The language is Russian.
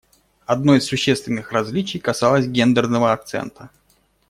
Одно из существенных различий касалось гендерного акцента.